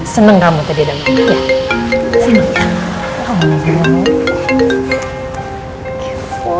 seneng kamu tadi ada mama